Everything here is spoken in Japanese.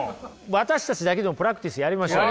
私たちだけでもプラクティスやりましょうよ。